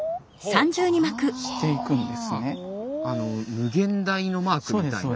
無限大のマークみたいな。